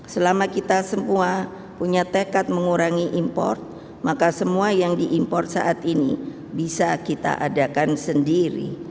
selama kita semua punya tekad mengurangi import maka semua yang diimpor saat ini bisa kita adakan sendiri